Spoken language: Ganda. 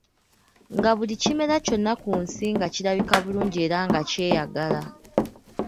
Nga buli kimera kyonna ku nsi nga kirabika bulungi era nga kyeyagala.